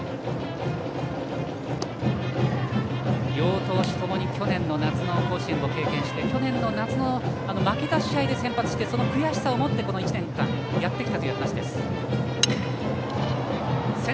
両投手ともに去年の夏の甲子園を経験して去年夏の負けた試合で先発してその悔しさをもって、この１年間やってきたという話です。